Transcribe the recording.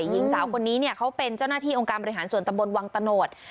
หญิงสาวคนนี้เขาเป็นเจ้าหน้าที่องค์การบริหารส่วนตำบลวังตะโนธ